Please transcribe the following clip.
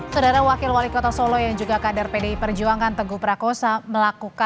saudara wakil wali kota solo yang juga kader pdi perjuangan teguh prakosaan